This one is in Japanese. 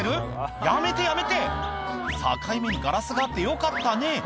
やめてやめて境目にガラスがあってよかったね